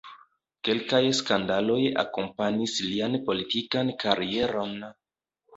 Kelkaj skandaloj akompanis lian politikan karieron.